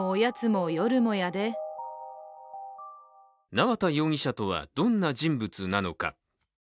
縄田容疑者とはどんな人物なのか。